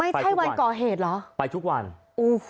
ไปทุกวันไม่ใช่วันก่อเหตุเหรอ